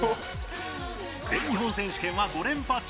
全日本選手権は５連覇中！